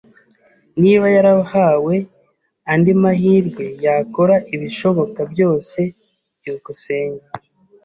[S] Niba yarahawe andi mahirwe, yakora ibishoboka byose. byukusenge